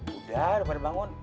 sudah sudah pada bangun